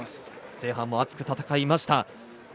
前半を熱く戦いました。